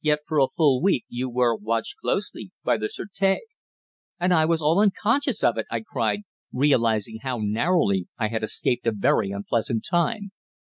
Yet, for a full week, you were watched closely by the sûreté." "And I was all unconscious of it!" I cried, realizing how narrowly I had escaped a very unpleasant time.